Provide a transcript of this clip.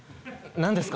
何ですか？